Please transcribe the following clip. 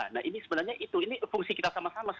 nah ini sebenarnya itu ini fungsi kita sama sama